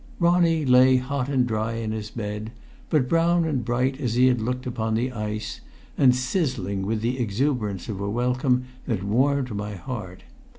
Ronnie lay hot and dry in his bed, but brown and bright as he had looked upon the ice, and sizzling with the exuberance of a welcome that warmed my heart.